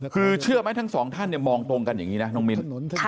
คือเชื่อไหมทั้งสองท่านมองตรงกันอย่างนี้นะน้องมิ้น